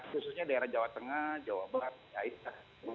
khususnya daerah jawa tengah jawa barat aisah